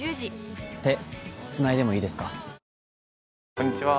こんにちは。